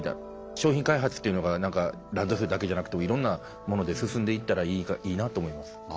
商品開発というのがランドセルだけじゃなくていろんなもので進んでいったらいいなと思います。